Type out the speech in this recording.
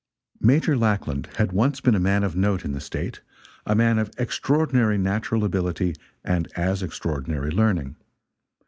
Major Lackland had once been a man of note in the State a man of extraordinary natural ability and as extraordinary learning.